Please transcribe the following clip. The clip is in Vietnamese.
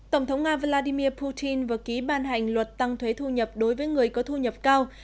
tổng thống nga vladimir putin vừa ký ban hành luật tăng thuế thu nhập đối với người có thu nhập cao